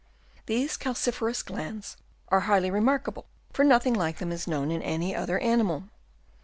These calciferous glands are highly remark able, for nothing like them is known in any other animal.